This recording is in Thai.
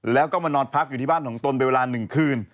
แล้วก็มานอนพักอยู่ที่บ้านของตนเป็นเวลา๑คืน